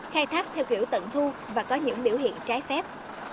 khai thác theo kiểu tận thu và có những biểu hiện trái phép